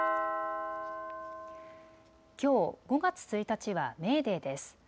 きょう５月１日はメーデーです。